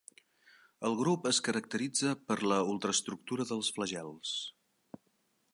El grup es caracteritza per la ultraestructura dels flagels.